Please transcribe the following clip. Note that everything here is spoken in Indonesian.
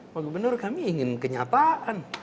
pak gubernur kami ingin kenyataan